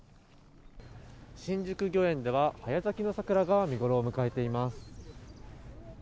新宿御苑では、早咲きの桜が見頃を迎えています。